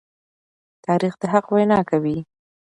تاریخ د حق وینا کوي.